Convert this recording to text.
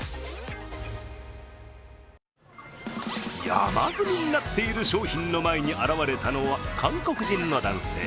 山積みになっている商品の前に現れたのは韓国人の男性。